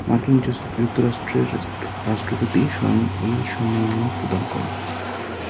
মার্কিন যুক্তরাষ্ট্রের রাষ্ট্রপতি স্বয়ং এই সম্মাননা প্রদান করেন।